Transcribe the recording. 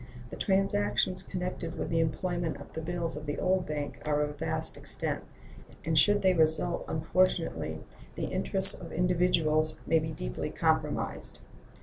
The transactions connected with the employment of the bills of the old bank are of vast extent, and should they result unfortunately the interests of individuals may be deeply compromised.